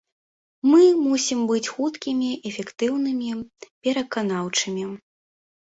Мы мусім быць хуткімі, эфектыўнымі, пераканаўчымі.